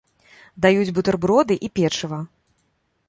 Даюць бутэрброды і печыва.